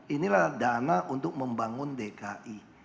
inilah dana untuk membangun dki